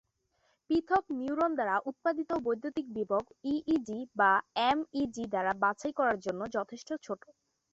পৃথক নিউরন দ্বারা উৎপাদিত বৈদ্যুতিক বিভব ইইজি বা এম ই জি দ্বারা বাছাই করার জন্য যথেষ্ট ছোট।